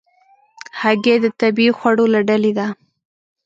هګۍ د طبیعي خوړو له ډلې ده.